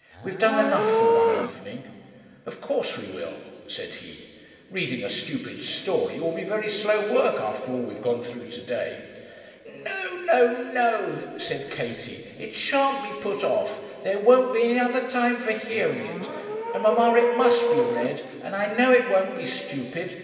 We have done enough for one evening.' 'Of course we will,' said he. 'Reading a stupid story will be very slow work after all we've gone through to day.' 'No, no, no,' said Katie; 'it shan't be put off; there won't be any other time for hearing it. And, mamma it must be read; and I know it won't be stupid.